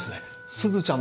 すずちゃん？